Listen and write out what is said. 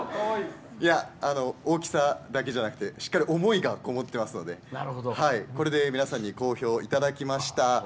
大きさだけじゃなくてしっかり思いがこもってますのでこれで皆さんに好評をいただきました。